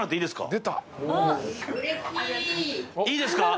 いいですか？